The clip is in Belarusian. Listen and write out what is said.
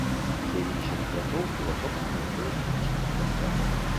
З'явіліся напрацоўкі ў асобных навукова-тэхнічных абласцях.